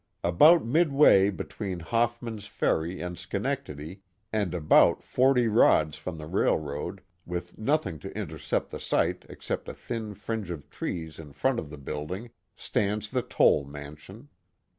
About midway between Hofifman's Ferry and Schenectady and about forty rods from the railroad, with nothing to intercept the sight except a thin fringe of trees in front of the buildings stands the Toll mansion.